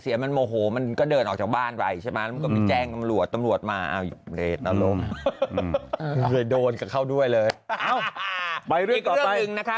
อีกเรื่องนึงนะคะ